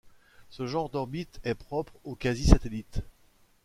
Ce genre d'orbite est propre aux quasi-satellites.